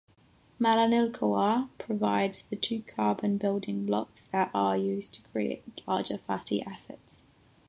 Malonyl-CoA provides the two-carbon building blocks that are used to create larger fatty acids.